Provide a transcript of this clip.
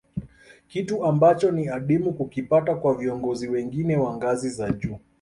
Kitu ambacho ni adimu kukipata kwa viongozi wengine wa ngazi za juu